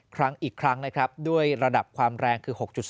ครั้งอีกครั้งด้วยระดับความแรง๖๒